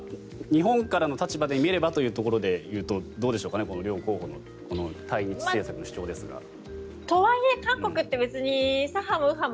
日本からの立場で見ればというところでいうとどうでしょうかね、この両候補のこの対日政策の主張ですが。